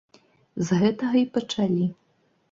З гэтага й пачалі.